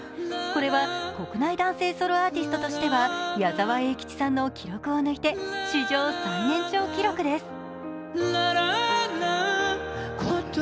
これは国内男性ソロアーティストとしては矢沢永吉さんの記録を抜いて史上最年長記録です。